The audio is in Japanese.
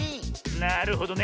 なるほどね！